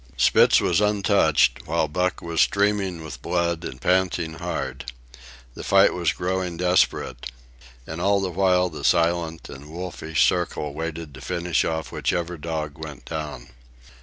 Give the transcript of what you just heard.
Spitz was untouched, while Buck was streaming with blood and panting hard. The fight was growing desperate. And all the while the silent and wolfish circle waited to finish off whichever dog went down.